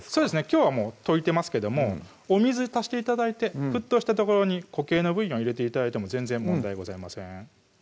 きょうは溶いてますけどもお水足して頂いて沸騰したところに固形のブイヨン入れて頂いても全然問題ございません